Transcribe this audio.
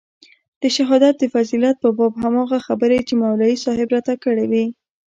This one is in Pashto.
د شهادت د فضيلت په باب هماغه خبرې چې مولوي صاحب راته کړې وې.